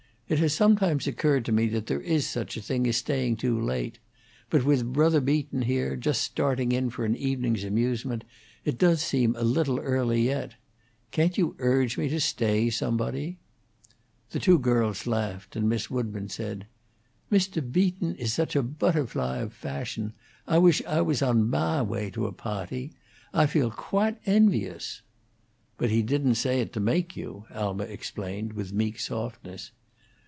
It has sometimes occurred to me that there is such a thing as staying too late. But with Brother Beaton, here, just starting in for an evening's amusement, it does seem a little early yet. Can't you urge me to stay, somebody?" The two girls laughed, and Miss Woodburn said: "Mr. Beaton is such a butterfly of fashion! Ah wish Ah was on mah way to a pawty. Ah feel quahte envious." "But he didn't say it to make you," Alma explained, with meek softness.